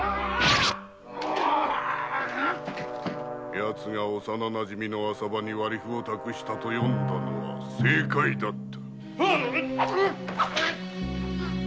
やつが幼なじみの浅葉に割符を託したと読んだのは正解だった。